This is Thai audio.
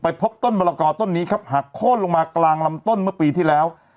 พบต้นมะละกอต้นนี้ครับหักโค้นลงมากลางลำต้นเมื่อปีที่แล้ว